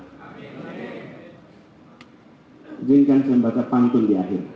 izinkan saya membaca panggung di akhir